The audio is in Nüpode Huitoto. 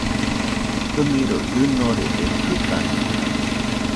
ɨniroi ɨnorede, jɨtañeno